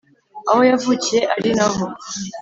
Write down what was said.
Aho yavukiye ari na ho